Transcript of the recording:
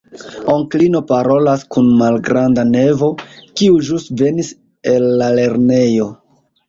Onklino parolas kun malgranda nevo, kiu ĵus venis el la lernejo.